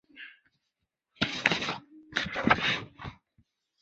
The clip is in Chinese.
美国总统杰斐逊决定派遣使者前往摩洛哥和阿尔及利亚试图商谈交换船员。